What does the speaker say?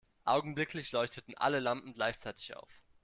Augenblicklich leuchteten alle Lampen gleichzeitig auf.